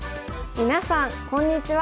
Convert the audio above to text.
みなさんこんにちは。